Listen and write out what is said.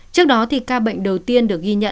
trước đó ca bệnh đầu tiên được ghi nhận